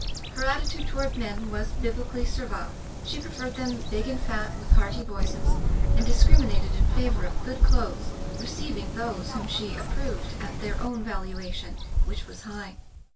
Her attitude toward men was Biblically servile. She preferred them big and fat, with hearty voices; and discriminated in favor of good clothes — ^receiving those whom she ap proved at their own valuation, which was high.